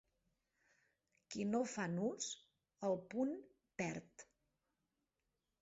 Qui no fa nus, el punt perd.